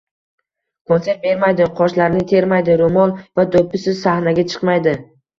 Konsert bermaydi, qoshlarini termaydi, ro‘mol va do‘ppisiz sahnaga chiqmaydi